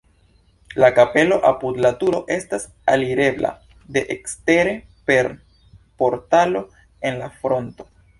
La kapelo apud la turo estas alirebla de ekstere per portalo en la fronto.